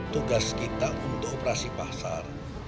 tugas kita untuk operasi pasar